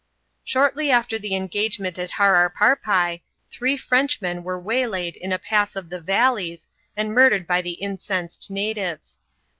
Shortly after the engagement at Hararparpi, three Frenoh* an w«re w«ylaid in a pass of the valleys, and murdered by the ineenaed natives.